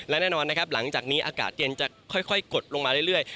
และแน่นอนนะครับหลังจากนี้อากาศเย็นจะค่อยกดลงมาเรื่อย